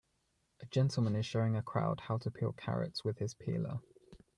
A gentleman is showing a crowd how to peel carrots with his peeler.